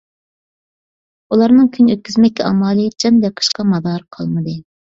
ئۇلارنىڭ كۈن ئۆتكۈزمەككە ئامالى، جان بېقىشقا مادارى قالمىدى.